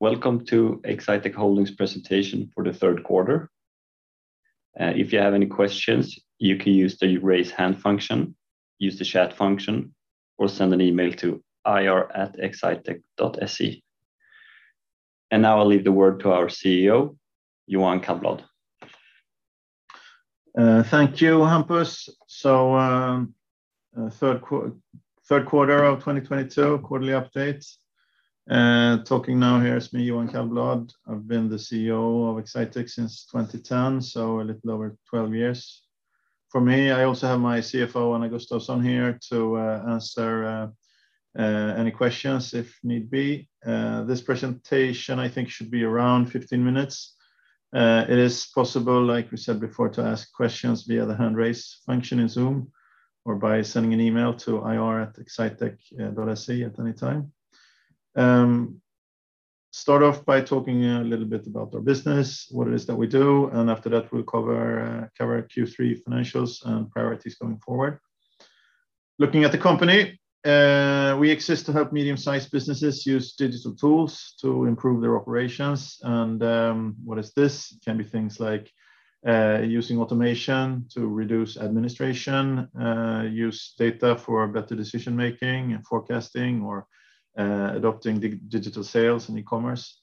Welcome to Exsitec Holding AB presentation for the Q3. If you have any questions, you can use the raise hand function, use the chat function, or send an email to ir@exsitec.se. Now I'll leave the word to our CEO, Johan Källblad. Thank you, Hampus. Q3 of 2022 quarterly update. Talking now here is me, Johan Källblad. I've been the CEO of Exsitec since 2010, so a little over 12 years. For me, I also have my CFO, Anna Gustafsson here to answer any questions if need be. This presentation I think should be around 15 minutes. It is possible, like we said before, to ask questions via the hand raise function in Zoom or by sending an email to ir@exsitec.se at any time. Start off by talking a little bit about our business, what it is that we do, and after that, we'll cover Q3 financials and priorities going forward. Looking at the company, we exist to help medium-sized businesses use digital tools to improve their operations. What is this? It can be things like using automation to reduce administration, use data for better decision-making and forecasting or adopting digital sales and e-commerce.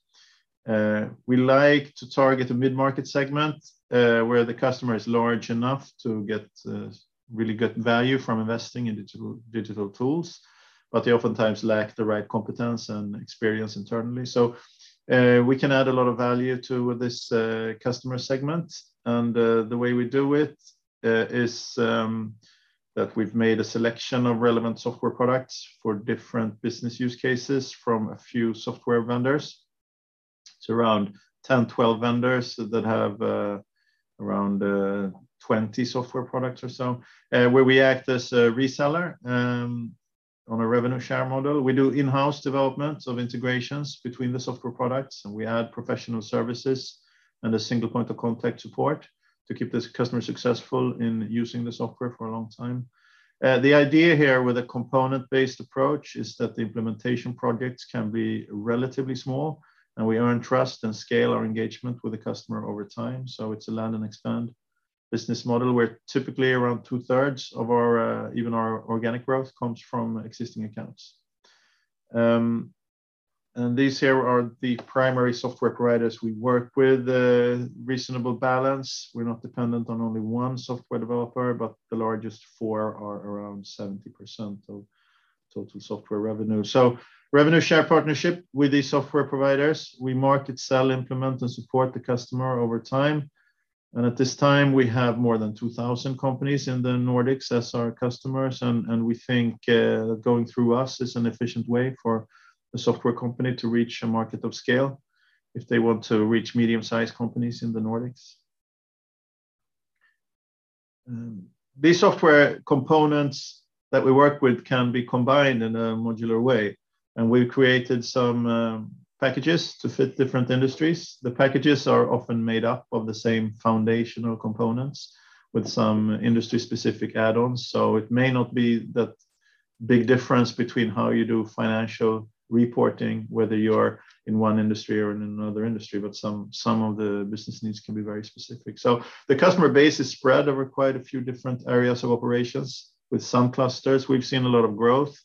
We like to target a mid-market segment where the customer is large enough to get really good value from investing in digital tools, but they oftentimes lack the right competence and experience internally. We can add a lot of value to this customer segment. The way we do it is that we've made a selection of relevant software products for different business use cases from a few software vendors. It's around 10, 12 vendors that have around 20 software products or so where we act as a reseller on a revenue share model. We do in-house development of integrations between the software products, and we add professional services and a single point of contact support to keep this customer successful in using the software for a long time. The idea here with a component-based approach is that the implementation projects can be relatively small, and we earn trust and scale our engagement with the customer over time. It's a land and expand business model, where typically around two-thirds of our even our organic growth comes from existing accounts. These here are the primary software providers we work with. Reasonable balance. We're not dependent on only one software developer, but the largest four are around 70% of total software revenue. Revenue share partnership with these software providers. We market, sell, implement, and support the customer over time. At this time, we have more than 2,000 companies in the Nordics as our customers. We think going through us is an efficient way for a software company to reach a market of scale if they want to reach medium-sized companies in the Nordics. These software components that we work with can be combined in a modular way, and we've created some packages to fit different industries. The packages are often made up of the same foundational components with some industry-specific add-ons. It may not be that big difference between how you do financial reporting, whether you're in one industry or in another industry, but some of the business needs can be very specific. The customer base is spread over quite a few different areas of operations with some clusters. We've seen a lot of growth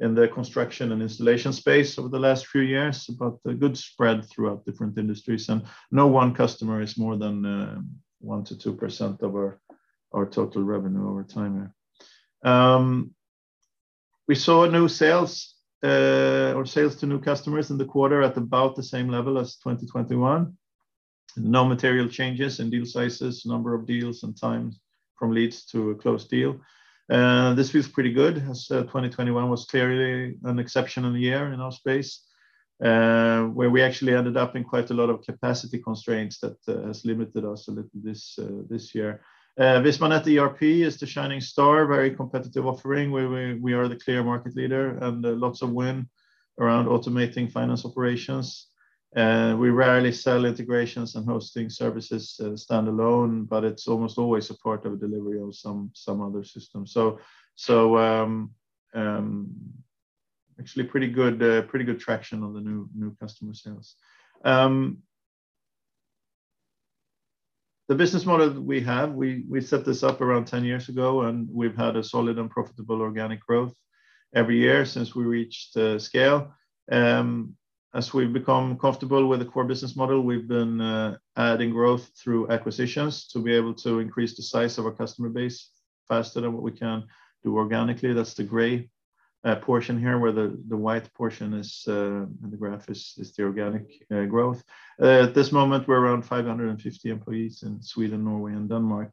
in the construction and installation space over the last few years, but a good spread throughout different industries. No one customer is more than 1%-2% of our total revenue over time here. We saw new sales or sales to new customers in the quarter at about the same level as 2021. No material changes in deal sizes, number of deals, and time from leads to a closed deal. This feels pretty good as 2021 was clearly an exceptional year in our space, where we actually ended up in quite a lot of capacity constraints that has limited us a little this year. Visma.net ERP is the shining star, very competitive offering, where we are the clear market leader and lots of win around automating finance operations. We rarely sell integrations and hosting services standalone, but it's almost always a part of a delivery of some other system. Actually pretty good traction on the new customer sales. The business model we have, we set this up around 10 years ago, and we've had a solid and profitable organic growth every year since we reached the scale. As we've become comfortable with the core business model, we've been adding growth through acquisitions to be able to increase the size of our customer base faster than what we can do organically. That's the gray portion here, where the white portion is in the graph is the organic growth. At this moment, we're around 550 employees in Sweden, Norway, and Denmark.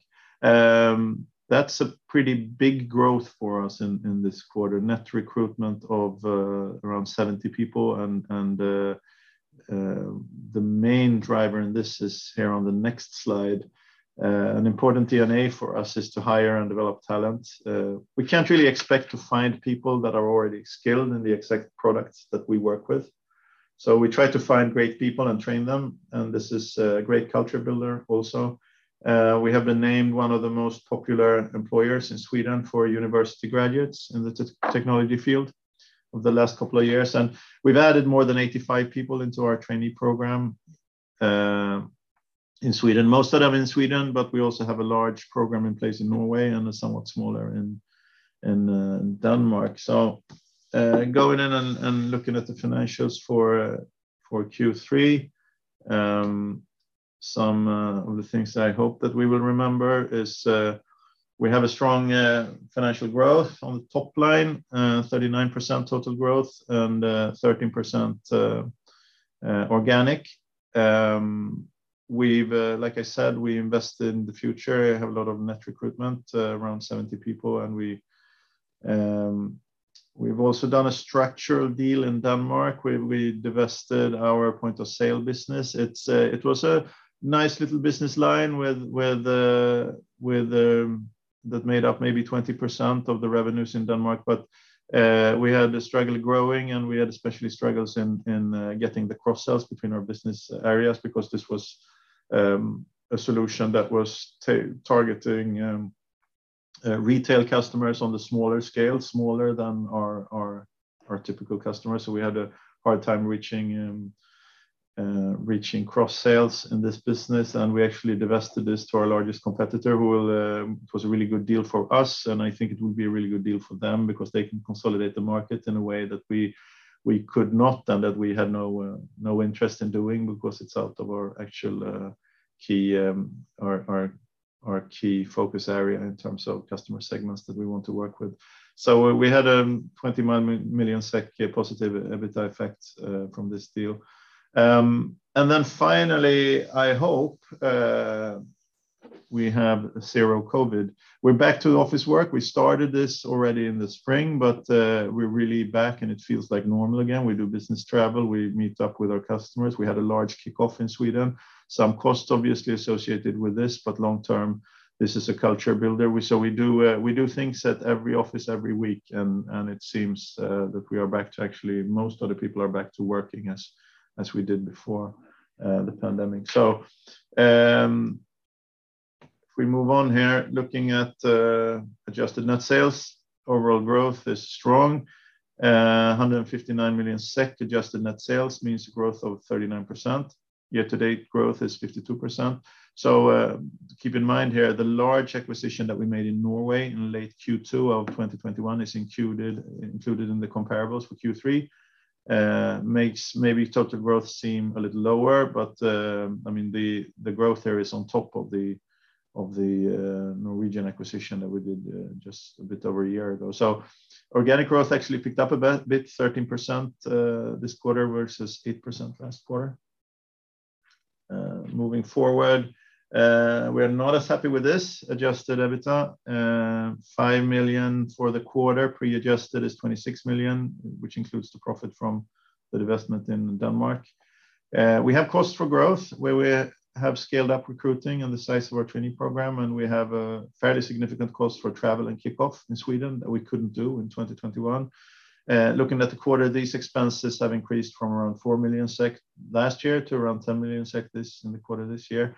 That's a pretty big growth for us in this quarter. Net recruitment of around 70 people and the main driver in this is here on the next slide. An important DNA for us is to hire and develop talent. We can't really expect to find people that are already skilled in the exact products that we work with. So we try to find great people and train them, and this is a great culture builder also. We have been named one of the most popular employers in Sweden for university graduates in the technology field over the last couple of years, and we've added more than 85 people into our trainee program in Sweden. Most of them in Sweden, but we also have a large program in place in Norway and a somewhat smaller in Denmark. Going in and looking at the financials for Q3. Some of the things I hope that we will remember is we have a strong financial growth on the top line, 39% total growth and 13% organic. We've like I said, we invest in the future. We have a lot of net recruitment around 70 people, and we've also done a structural deal in Denmark where we divested our point of sale business. It was a nice little business line with that made up maybe 20% of the revenues in Denmark. We had a struggle growing, and we had especially struggles in getting the cross-sales between our business areas because this was a solution that was targeting retail customers on the smaller scale, smaller than our typical customers. We had a hard time reaching cross sales in this business, and we actually divested this to our largest competitor who will. It was a really good deal for us, and I think it will be a really good deal for them because they can consolidate the market in a way that we could not, and that we had no interest in doing because it's out of our actual key focus area in terms of customer segments that we want to work with. We had 21 million SEK positive EBITA effect from this deal. And then finally, I hope, we have zero COVID. We're back to office work. We started this already in the spring, but we're really back and it feels like normal again. We do business travel. We meet up with our customers. We had a large kickoff in Sweden. Some costs obviously associated with this, but long term, this is a culture builder. We do things at every office every week and it seems that we are back to actually most of the people are back to working as we did before the pandemic. If we move on here, looking at adjusted net sales, overall growth is strong. 159 million SEK adjusted net sales means growth of 39%. Year to date growth is 52%. Keep in mind here, the large acquisition that we made in Norway in late Q2 of 2021 is included in the comparables for Q3. Makes maybe total growth seem a little lower, but, I mean, the growth there is on top of the Norwegian acquisition that we did just a bit over a year ago. Organic growth actually picked up a bit, 13% this quarter versus 8% last quarter. Moving forward, we're not as happy with this. Adjusted EBITA, 5 million for the quarter. Pre-adjusted is 26 million, which includes the profit from the divestment in Denmark. We have costs for growth, where we have scaled up recruiting and the size of our training program, and we have a fairly significant cost for travel and kickoff in Sweden that we couldn't do in 2021. Looking at the quarter, these expenses have increased from around 4 million SEK last year to around 10 million SEK this, in the quarter this year.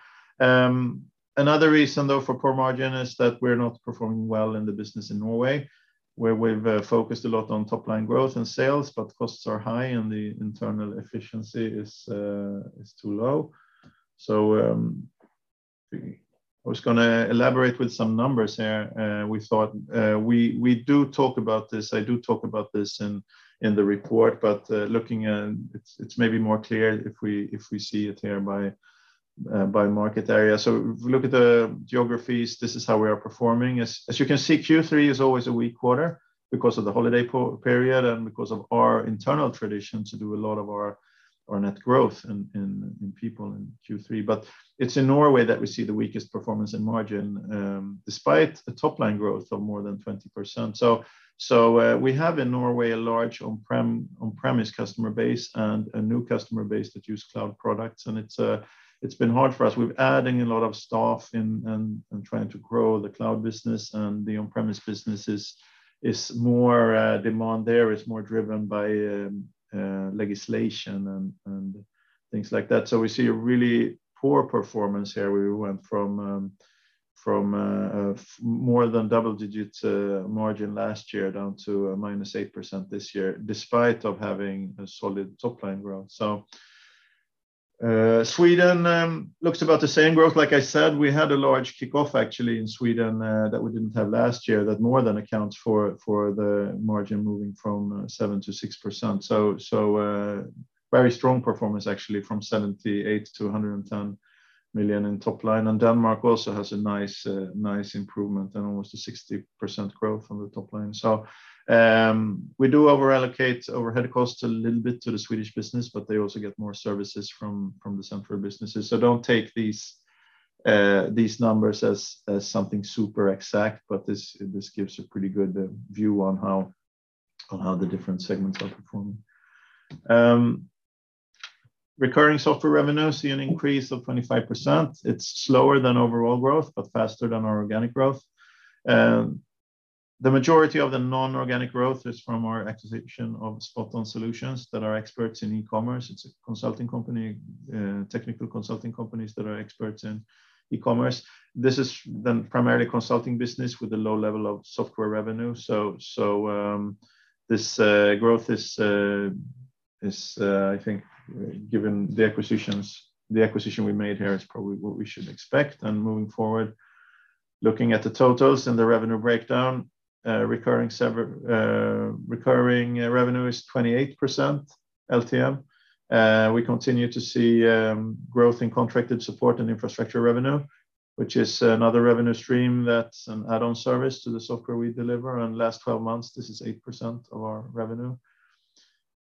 Another reason though for poor margin is that we're not performing well in the business in Norway, where we've focused a lot on top line growth and sales, but costs are high and the internal efficiency is too low. I was gonna elaborate with some numbers here. We thought we do talk about this. I do talk about this in the report, but looking, it's maybe more clear if we see it here by market area. If we look at the geographies, this is how we are performing. As you can see, Q3 is always a weak quarter because of the holiday period and because of our internal tradition to do a lot of our net growth in people in Q3. It's in Norway that we see the weakest performance in margin, despite a top line growth of more than 20%. We have in Norway a large on-premises customer base and a new customer base that use cloud products, and it's been hard for us. We're adding a lot of staff and trying to grow the cloud business and the on-premise business is more demand there. It's more driven by legislation and things like that. We see a really poor performance here. We went from more than double-digit margin last year down to a -8% this year despite of having a solid top line growth. Sweden looks about the same growth. Like I said, we had a large kickoff actually in Sweden that we didn't have last year that more than accounts for the margin moving from 7%-6%. Very strong performance actually from 78 million-110 million in top line. Denmark also has a nice improvement and almost a 60% growth on the top line. We do over allocate our overhead costs a little bit to the Swedish business, but they also get more services from the central businesses. Don't take these numbers as something super exact, but this gives a pretty good view on how the different segments are performing. Recurring software revenue sees an increase of 25%. It's slower than overall growth, but faster than our organic growth. The majority of the non-organic growth is from our acquisition of Spot On Solutions that are experts in e-commerce. It's a consulting company, technical consulting companies that are experts in e-commerce. This is then primarily consulting business with a low level of software revenue. Growth is, I think given the acquisitions, the acquisition we made here is probably what we should expect. Moving forward, looking at the totals and the revenue breakdown, recurring revenue is 28% LTM. We continue to see growth in contracted support and infrastructure revenue, which is another revenue stream that's an add-on service to the software we deliver. In the last twelve months, this is 8% of our revenue.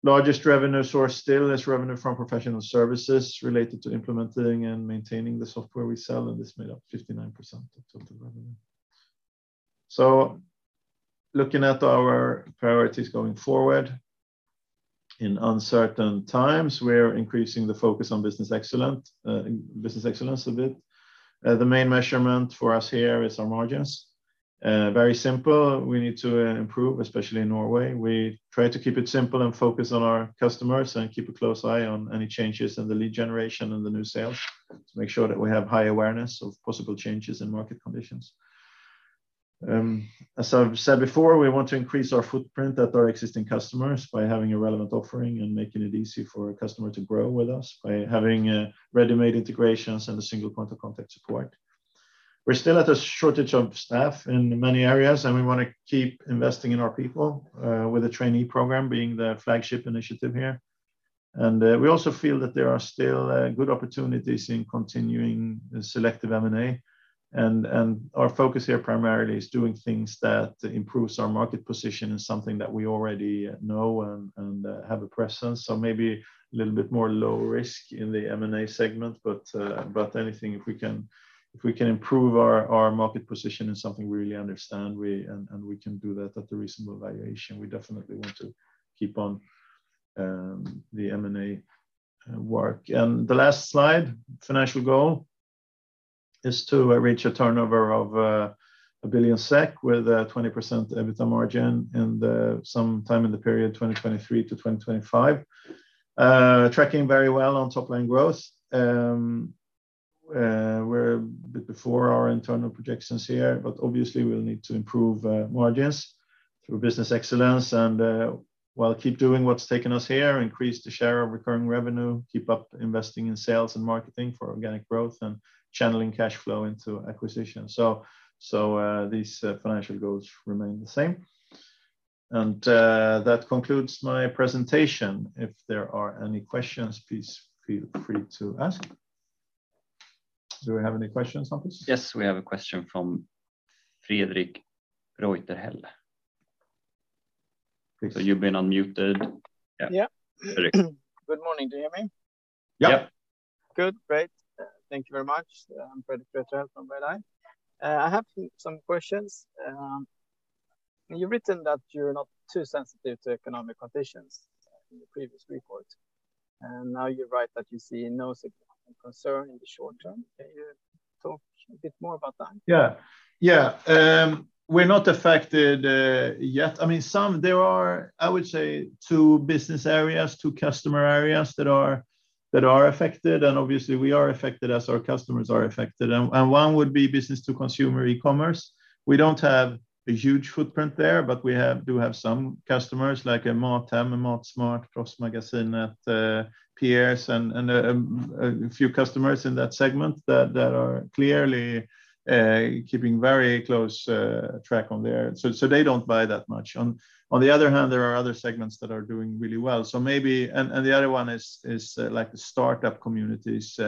Largest revenue source still is revenue from professional services related to implementing and maintaining the software we sell, and this made up 59% of total revenue. Looking at our priorities going forward. In uncertain times, we're increasing the focus on business excellence a bit. The main measurement for us here is our margins. Very simple. We need to improve, especially in Norway. We try to keep it simple and focus on our customers and keep a close eye on any changes in the lead generation and the new sales to make sure that we have high awareness of possible changes in market conditions. As I've said before, we want to increase our footprint at our existing customers by having a relevant offering and making it easy for a customer to grow with us by having ready-made integrations and a single point of contact support. We're still at a shortage of staff in many areas, and we want to keep investing in our people with the trainee program being the flagship initiative here. We also feel that there are still good opportunities in continuing selective M&A. Our focus here primarily is doing things that improves our market position in something that we already know and have a presence. Maybe a little bit more low risk in the M&A segment. Anything, if we can improve our market position in something we really understand and we can do that at a reasonable valuation, we definitely want to keep on the M&A work. The last slide, financial goal, is to reach a turnover of 1 billion SEK with a 20% EBITA margin sometime in the period 2023-2025. Tracking very well on top line growth. We're ahead of our internal projections here, but obviously we'll need to improve margins through business excellence. While we keep doing what's taken us here, increase the share of recurring revenue, keep up investing in sales and marketing for organic growth and channeling cash flow into acquisition. These financial goals remain the same. That concludes my presentation. If there are any questions, please feel free to ask. Do we have any questions on this? Yes, we have a question from Fredrik Reuterhell. Please. You've been unmuted. Yeah. Yeah. Fredrik. Good morning. Do you hear me? Yeah. Yeah. Good. Great. Thank you very much. I'm Fredrik Reuterhell from Redeye. I have some questions. You've written that you're not too sensitive to economic conditions in the previous report, and now you write that you see no significant concern in the short term. Can you talk a bit more about that? Yeah. We're not affected yet. I mean, there are, I would say, two business areas, two customer areas that are affected, and obviously we are affected as our customers are affected. One would be business to consumer e-commerce. We don't have a huge footprint there, but we do have some customers like MatHem, Matsmart, Postmagasinet, PS and a few customers in that segment that are clearly keeping very close track on there. They don't buy that much. On the other hand, there are other segments that are doing really well. The other one is like the start-up communities.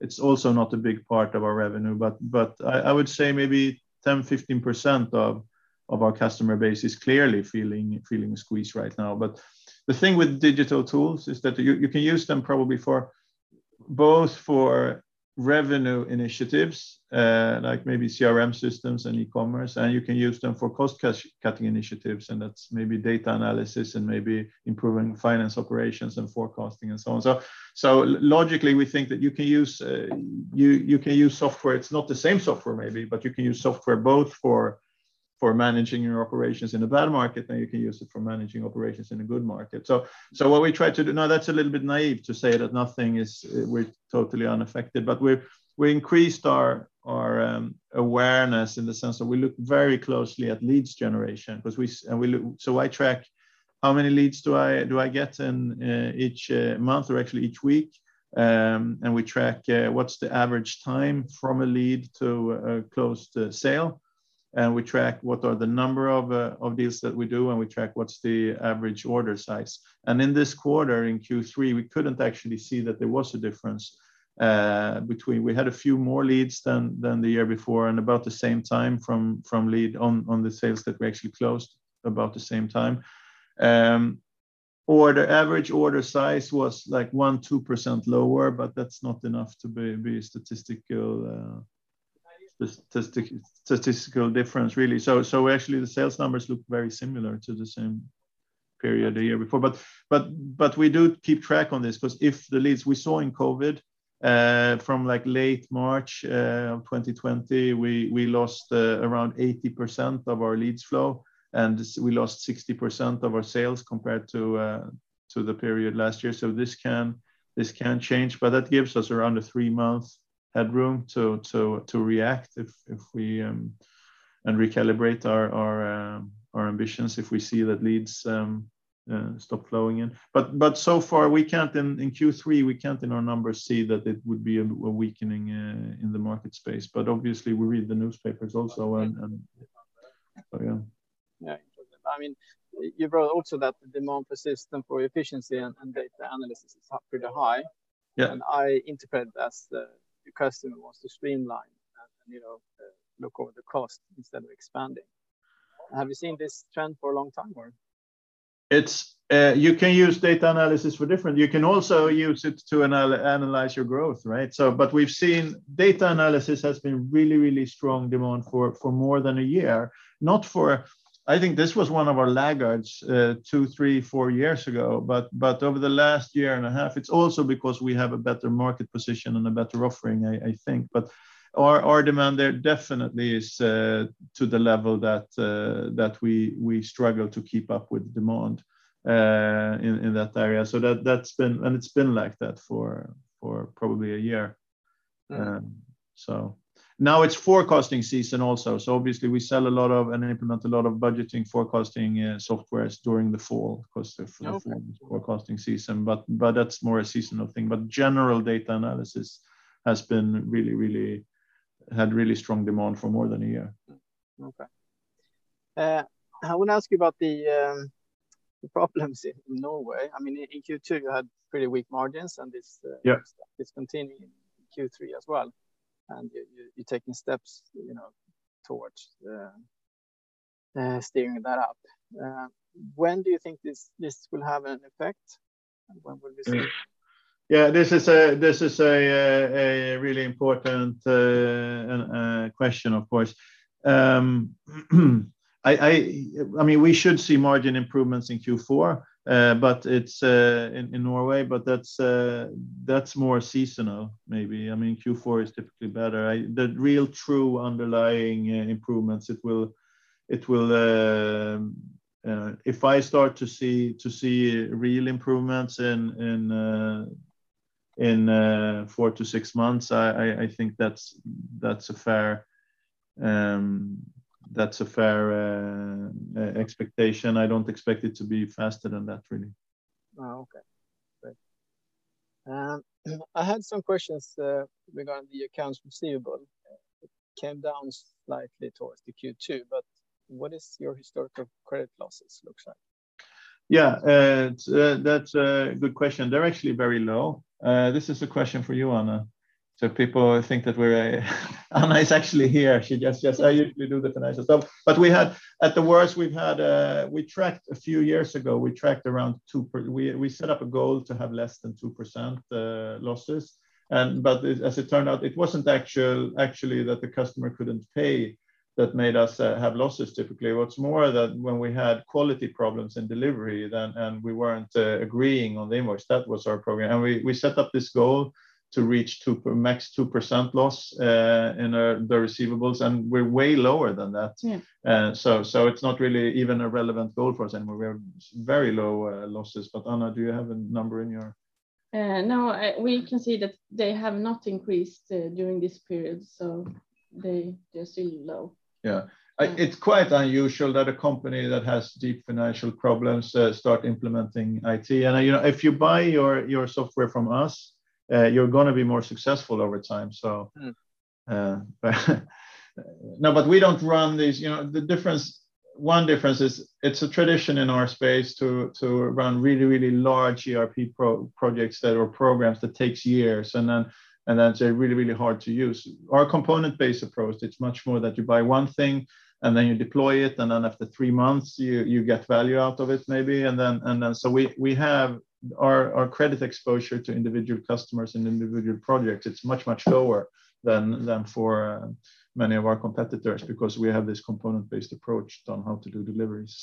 It's also not a big part of our revenue, but I would say maybe 10%-15% of our customer base is clearly feeling squeezed right now. The thing with digital tools is that you can use them probably for both revenue initiatives, like maybe CRM systems and e-commerce, and you can use them for cost-cutting initiatives, and that's maybe data analysis and maybe improving finance operations and forecasting and so on. Logically, we think that you can use software. It's not the same software maybe, but you can use software both for managing your operations in a bad market, and you can use it for managing operations in a good market. What we try to do. Now that's a little bit naive to say that nothing is. We're totally unaffected. We've increased our awareness in the sense that we look very closely at lead generation because I track how many leads do I get in each month or actually each week. We track what's the average time from a lead to a closed sale. We track what are the number of deals that we do, and we track what's the average order size. In this quarter, in Q3, we couldn't actually see that there was a difference between. We had a few more leads than the year before and about the same time from lead on the sales that we actually closed about the same time. The average order size was like 1%-2% lower, but that's not enough to be a statistical difference really. Actually the sales numbers look very similar to the same period the year before. We do keep track on this, because if the leads we saw in COVID from like late March 2020, we lost around 80% of our leads flow, and we lost 60% of our sales compared to the period last year. This can change, but that gives us around a three-month headroom to react if we recalibrate our ambitions if we see that leads stop flowing in. So far we can't see in Q3, we can't see in our numbers that it would be a weakening in the market space. Obviously we read the newspapers also and so yeah. Yeah. I mean, you wrote also that the demand for system, for efficiency and data analysis is up pretty high. Yeah. I interpret that as the customer wants to streamline and, you know, look over the cost instead of expanding. Have you seen this trend for a long time, or? You can also use it to analyze your growth, right? We've seen really strong demand for data analysis for more than a year. I think this was one of our laggards two, three, four years ago. Over the last year and a half, it's also because we have a better market position and a better offering, I think. Our demand there definitely is to the level that we struggle to keep up with demand in that area. That's been. It's been like that for probably a year. Mm. Now it's forecasting season also. Obviously we sell and implement a lot of budgeting forecasting software during the fall because Okay... of forecasting season, but that's more a seasonal thing. General data analysis had really strong demand for more than a year. Okay. I wanna ask you about the problems in Norway. I mean, in Q2 you had pretty weak margins and this. Yeah This continued in Q3 as well. You're taking steps, you know, towards steering that up. When do you think this will have an effect? When will this Yeah. This is a really important question of course. I mean, we should see margin improvements in Q4. It's in Norway, but that's more seasonal maybe. I mean, Q4 is typically better. If I start to see real improvements in four to six months, I think that's a fair expectation. I don't expect it to be faster than that really. Oh, okay. Great. I had some questions regarding the accounts receivable. It came down slightly towards the Q2, but what is your historical credit losses looks like? Yeah. That's a good question. They're actually very low. This is a question for you, Anna. Anna is actually here. She just, I usually do the finances, so. At the worst we've had, we tracked a few years ago around 2%. We set up a goal to have less than 2% losses. As it turned out, it wasn't actually that the customer couldn't pay that made us have losses typically. What's more, that when we had quality problems in delivery then and we weren't agreeing on the invoice, that was our problem. We set up this goal to reach max 2% loss in our receivables, and we're way lower than that. Yeah. It's not really even a relevant goal for us anymore. We have very low losses. Anna, do you have a number in your- No. We can see that they have not increased during this period. They're still low. Yeah. It's quite unusual that a company that has deep financial problems start implementing IT. You know, if you buy your software from us, you're gonna be more successful over time. So Mm. No, we don't run these. You know, the difference, one difference is it's a tradition in our space to run really, really large ERP projects or programs that takes years and then they're really, really hard to use. Our component-based approach, it's much more that you buy one thing and then you deploy it, and then after three months you get value out of it maybe. We have our credit exposure to individual customers and individual projects, it's much, much lower than for many of our competitors because we have this component-based approach on how to do deliveries.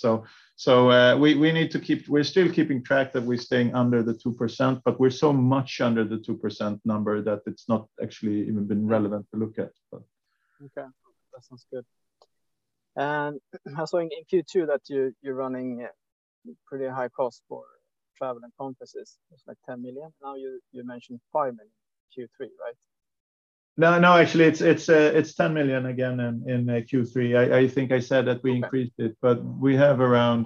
We're still keeping track that we're staying under the 2%, but we're so much under the 2% number that it's not actually even been relevant to look at. But Okay. That sounds good. I saw in Q2 that you're running pretty high cost for travel and conferences. It's like 10 million. Now you mentioned 5 million Q3, right? No. Actually it's 10 million again in Q3. I think I said that we increased it, but we have around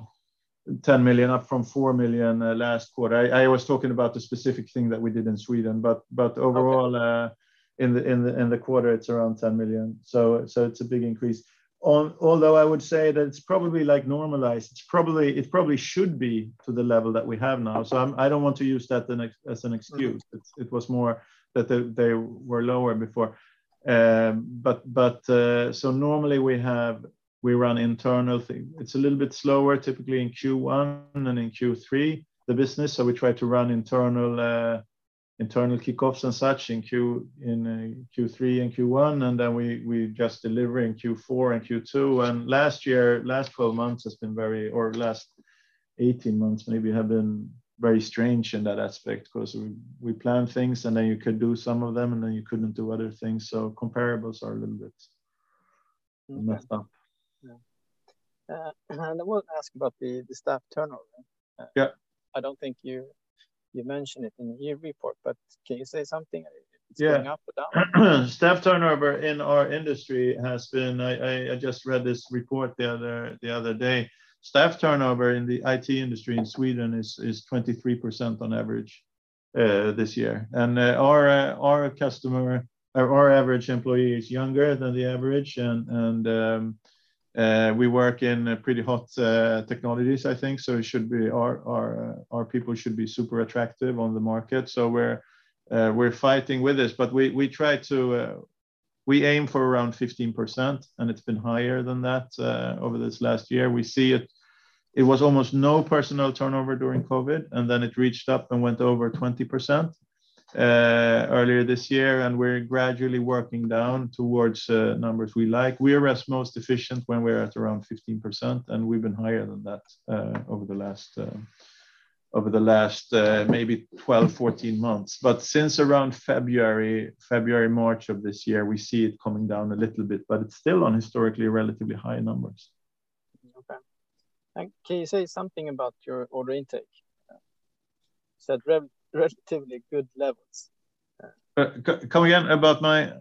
10 million up from 4 million last quarter. I was talking about the specific thing that we did in Sweden. Overall- Okay In the quarter it's around 10 million, so it's a big increase. Although I would say that it's probably like normalized. It probably should be to the level that we have now. I don't want to use that as an excuse. It was more that they were lower before. But so normally we run internal thing. It's a little bit slower typically in Q1 and in Q3, the business. We try to run internal kickoffs and such in Q3 and Q1, and then we just deliver in Q4 and Q2. Last year, last 12 months has been very Last 18 months maybe have been very strange in that aspect because we plan things and then you could do some of them, and then you couldn't do other things. Comparables are a little bit messed up. Yeah. I want to ask about the staff turnover. Yeah. I don't think you mention it in your report, but can you say something? Yeah. It's going up or down? I just read this report the other day. Staff turnover in the IT industry in Sweden is 23% on average this year. Our average employee is younger than the average and we work in pretty hot technologies, I think. It should be our people should be super attractive on the market. We're fighting with this. We aim for around 15%, and it's been higher than that over this last year. We see it. It was almost no personnel turnover during COVID, and then it reached up and went over 20% earlier this year, and we're gradually working down towards numbers we like. We are at our most efficient when we're at around 15%, and we've been higher than that over the last maybe 12, 14 months. Since around February, March of this year, we see it coming down a little bit, but it's still on historically relatively high numbers. Okay. Can you say something about your order intake? You said relatively good levels. Yeah. Come again. About my?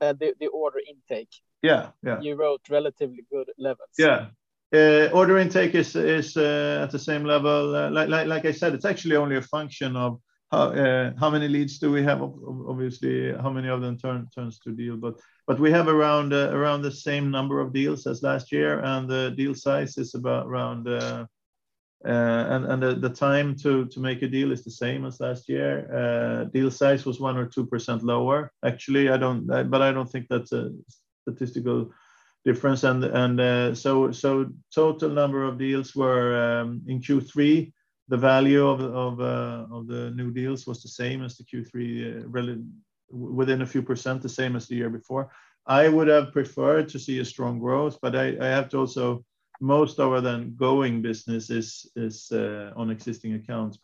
The order intake. Yeah, yeah. You wrote relatively good levels. Yeah. Order intake is at the same level. Like I said, it's actually only a function of how many leads do we have, obviously, how many of them turns to deal. But we have around the same number of deals as last year, and the deal size is about around. The time to make a deal is the same as last year. Deal size was 1% or 2% lower. Actually, I don't think that's a statistical difference. So total number of deals were in Q3, the value of the new deals was the same as Q3 within a few percent the same as the year before. I would have preferred to see a strong growth, but also most of our ongoing business is on existing accounts.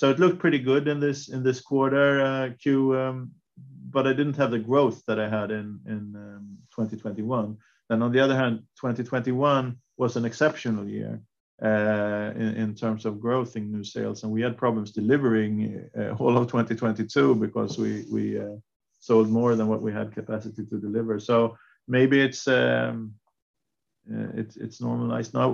It looked pretty good in this quarter, but I didn't have the growth that I had in 2021. On the other hand, 2021 was an exceptional year in terms of growth in new sales, and we had problems delivering all of 2022 because we sold more than what we had capacity to deliver. Maybe it's normalized now.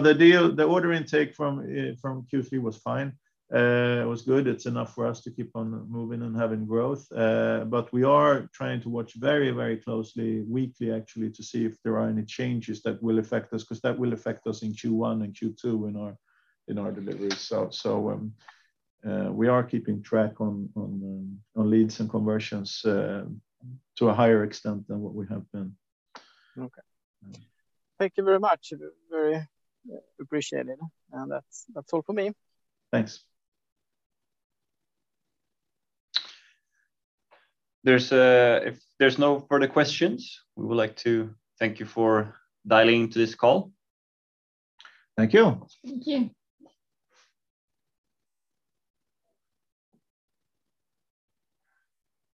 The deal, the order intake from Q3 was fine. It was good. It's enough for us to keep on moving and having growth. We are trying to watch very, very closely, weekly actually, to see if there are any changes that will affect us, because that will affect us in Q1 and Q2 in our delivery. We are keeping track of leads and conversions to a higher extent than what we have been. Okay. Thank you very much. Very appreciated. That's all for me. Thanks. If there's no further questions, we would like to thank you for dialing to this call. Thank you. Thank you.